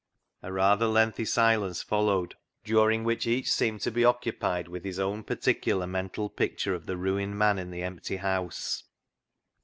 A rather lengthy silence followed, during which each seemed to be occupied with his own particular mental picture of the ruined man in the empty house.